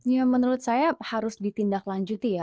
ya menurut saya harus ditindaklanjuti ya